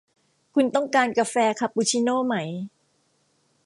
คุณต้องการกาแฟคาปูชิโน่ไหม